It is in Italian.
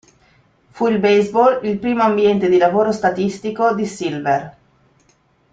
Fu il baseball il primo ambiente di lavoro statistico di Silver.